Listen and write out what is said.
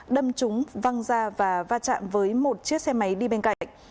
đâm chúng văng ra và va chạm với một chiếc xe máy đi bên cạnh